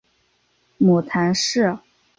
母谈氏。